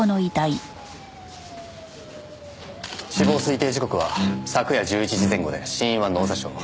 死亡推定時刻は昨夜１１時前後で死因は脳挫傷。